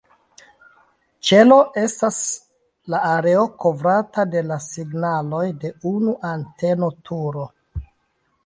Ĉelo estas la areo kovrata de la signaloj de unu anteno-turo.